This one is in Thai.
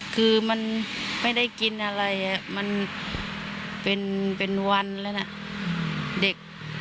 คือมันไม่ได้กินอะไรมันเป็นวันแล้วนะเด็ก